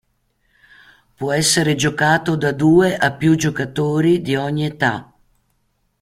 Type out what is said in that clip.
Può essere giocato da due a più giocatori di ogni età.